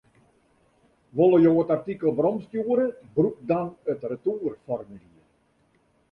Wolle jo it artikel weromstjoere, brûk dan it retoerformulier.